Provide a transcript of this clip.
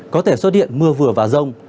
có thể xuất hiện mưa vừa và rông